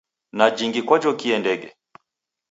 Na jhingi kwajokie ndege?